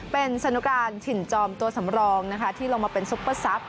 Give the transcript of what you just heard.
เป็นสนุการถิ่นจอมตัวสำรองนะคะที่ลงมาเป็นซุปเปอร์ซับ